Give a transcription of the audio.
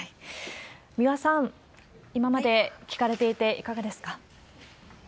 三輪さん、今まで聞かれていて、いかがですか？